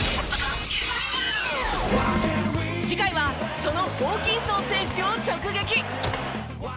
次回はそのホーキンソン選手を直撃。